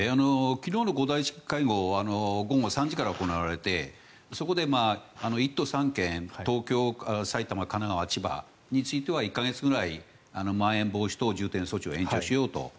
昨日の５大臣会合は午後３時から行われてそこで１都３県東京、埼玉神奈川、千葉については１か月ぐらいまん延防止等重点措置を延長しようと。